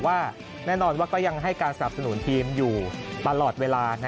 ว่าแน่นอนว่าก็ยังให้การสนับสนุนทีมอยู่ตลอดเวลา